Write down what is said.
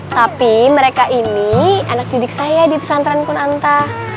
tapi mereka ini anak didik saya di pesantren kunanta